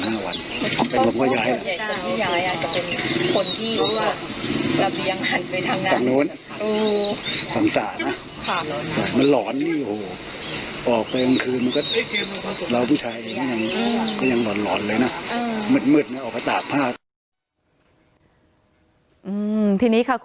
จากทั้งนั้นก็ให้ลงเอาพ้นที่เงาร์